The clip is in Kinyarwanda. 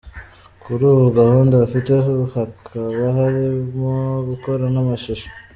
Kuri ubu gahunda bafite hakaba harikmo gukora namashusho.